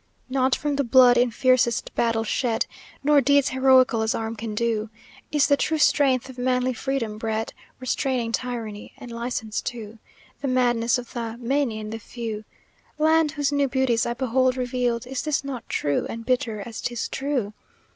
"Not from the blood in fiercest battle shed, Nor deeds heroical as arm can do, Is the true strength of manly freedom bred, Restraining tyranny and licence too, The madness of the many and the few. Land, whose new beauties I behold revealed, Is this not true, and bitter as 'tis true?